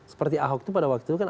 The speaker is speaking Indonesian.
seperti ahok itu pada waktu itu kan